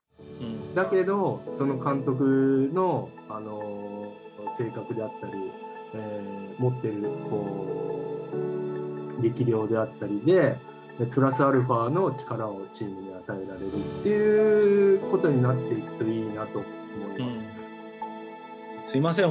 だけど、その監督の性格であったり持ってる力量であったりでプラスアルファの力をチームに与えられるっていうことにすいません。